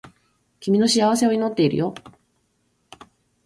君の幸せを祈っているよ